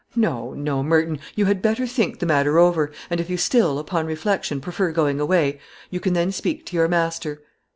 No, no, Merton, you had better think the matter over and if you still, upon reflection, prefer going away, you can then speak to your master."